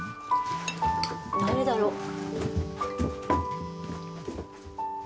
誰だろ？